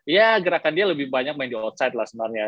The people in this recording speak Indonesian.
ya gerakan dia lebih banyak main di outside lah sebenarnya